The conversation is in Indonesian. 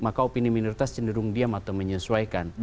maka opini minoritas cenderung diam atau menyesuaikan